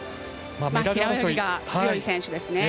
平泳ぎが強い選手です。